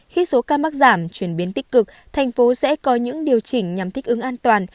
khi số ca mắc giảm chuyển biến tích cực thành phố sẽ có những điều chỉnh nhằm thích ứng an toàn